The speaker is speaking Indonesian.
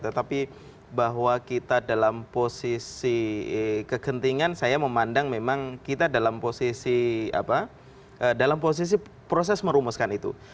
tetapi bahwa kita dalam posisi kegentingan saya memandang memang kita dalam posisi proses merumuskan itu